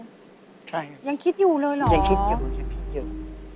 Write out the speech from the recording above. ใช่ครับยังคิดอยู่เลยเหรอยังคิดอยู่ยังคิดอยู่